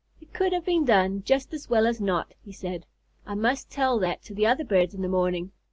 "It could have been done just as well as not," he said. "I must tell that to the other birds in the morning.